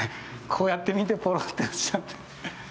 こうやって見てポロッて落ちちゃって。